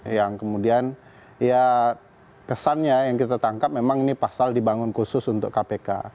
yang kemudian ya kesannya yang kita tangkap memang ini pasal dibangun khusus untuk kpk